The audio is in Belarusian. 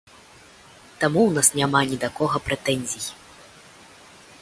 Таму ў нас няма ні да кога прэтэнзій.